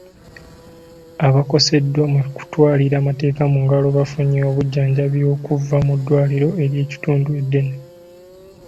Abakoseddwa mu kutwalira amateeka mu ngalo baafunye obujjanjabi okuva mu ddwaliro ly'ekitundu eddene.